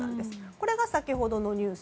これが先ほどのニュース